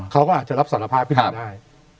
เขาก็อาจจะรับสารภาพที่สุดได้